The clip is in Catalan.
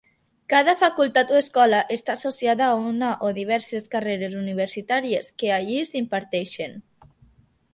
Cada facultat o escola està associada a una o diverses carreres universitàries que allí s'imparteixen.